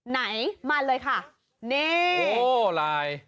ไหนมาเลยค่ะนี่โอ้ลาย